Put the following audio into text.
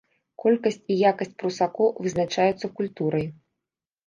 Колькасць і якасць прусакоў вызначаюцца культурай.